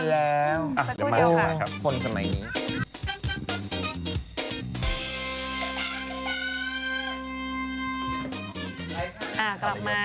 นี่เดี๋ยวตรงนั้นเราเราร่องสักครู่เดียวค่ะ